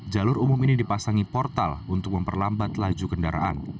jalur umum ini dipasangi portal untuk memperlambat laju kendaraan